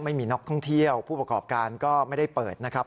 ไม่มีนักท่องเที่ยวผู้ประกอบการก็ไม่ได้เปิดนะครับ